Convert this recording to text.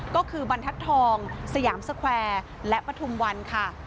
ก็คือบรรทัศน์ทองสยามสแควร์และปฐุมวันค่ะ